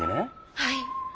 はい。